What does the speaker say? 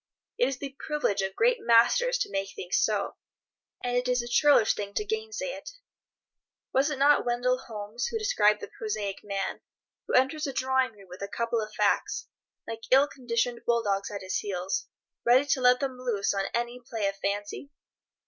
It is the privilege of great masters to make things so, and it is a churlish thing to gainsay it. Was it not Wendell Holmes who described the prosaic man, who enters a drawing room with a couple of facts, like ill conditioned bull dogs at his heels, ready to let them loose on any play of fancy?